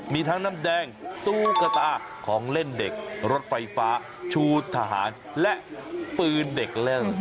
มีทั้งน้ำแดงตู้กระตาของเล่นเด็กรถไฟฟ้าชูทหารและปืนเด็กเล่น